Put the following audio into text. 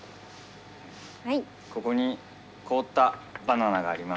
ここに凍ったバナナがあります。